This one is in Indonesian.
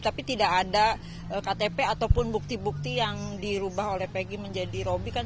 tapi tidak ada ktp ataupun bukti bukti yang dirubah oleh pg menjadi robby kan